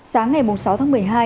sáng ngày sáu tháng một mươi hai